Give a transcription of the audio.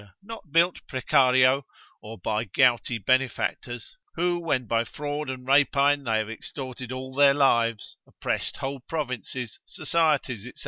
not built precario, or by gouty benefactors, who, when by fraud and rapine they have extorted all their lives, oppressed whole provinces, societies, &c.